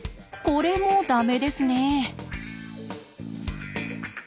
これも駄目ですね。